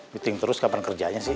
meeting terus kapan kerjanya sih